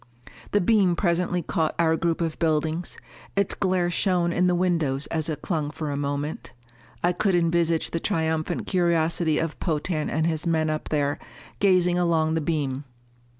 The beam presently caught our group of buildings; its glare shone in the windows as it clung for a moment. I could envisage the triumphant curiosity of Potan and his men up there, gazing along the beam.